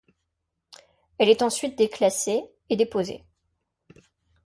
Elle est ensuite déclassée et déposée.